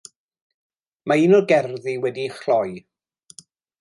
Mae un o'r gerddi wedi'i chloi.